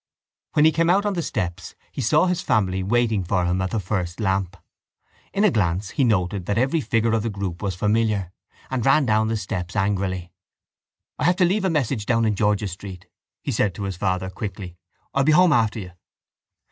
When he came out on the steps he saw his family waiting for him at the first lamp. In a glance he noted that every figure of the group was familiar and ran down the steps angrily. —I have to leave a message down in George's Street, he said to his father quickly. I'll be home after you.